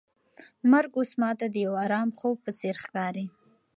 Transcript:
مرګ اوس ماته د یو ارام خوب په څېر ښکاري.